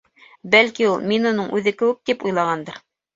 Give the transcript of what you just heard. Бәлки ул, мин уның үҙе кеүек, тип уйлағандыр.